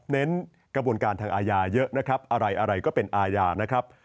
เน้นกระบวนการทางอาญาเยอะนะครับอะไรอะไรก็เป็นอาญานะครับ